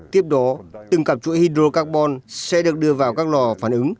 tiếp đó từng cặp chuỗi hydrocarbon sẽ được đưa vào các lò phản ứng